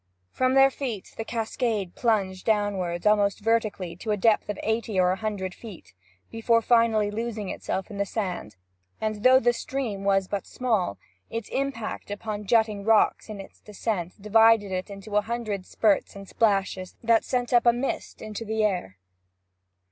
From their feet the cascade plunged downward almost vertically to a depth of eighty or a hundred feet before finally losing itself in the sand, and though the stream was but small, its impact upon jutting rocks in its descent divided it into a hundred spirts and splashes that sent up a mist into the upper air.